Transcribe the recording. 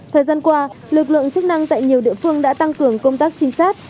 thời gian qua lực lượng chức năng tại nhiều địa phương đã tăng cường công tác trinh sát